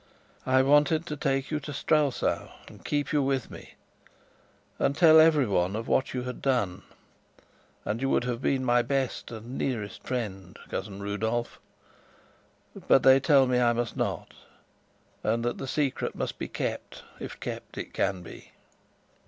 I wanted to take you to Strelsau and keep you with me, and tell everyone of what you had done; and you would have been my best and nearest friend, Cousin Rudolf. But they tell me I must not, and that the secret must be kept if kept it can be."